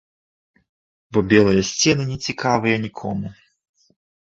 Бо белыя сцены не цікавыя нікому.